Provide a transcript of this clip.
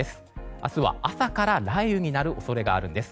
明日は朝から雷雨になる可能性があるんです。